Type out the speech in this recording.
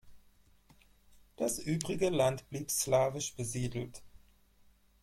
Das übrige Land blieb slawisch besiedelt.